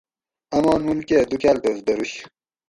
آمان مول کہ دو کالتوس دروش